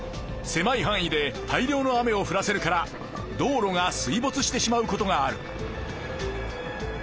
せまいはん囲で大量の雨を降らせるから道路が水ぼつしてしまう事がある。